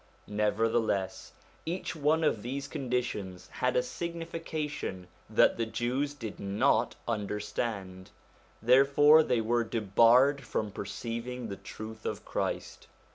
Nevertheless each one of these conditions had a signification that the Jews did not understand: therefore they were debarred from perceiving the truth of Christ.